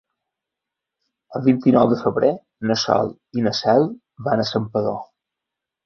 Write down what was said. El vint-i-nou de febrer na Sol i na Cel van a Santpedor.